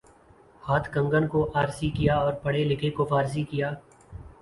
ہاتھ کنگن کو آرسی کیا اور پڑھے لکھے کو فارسی کیا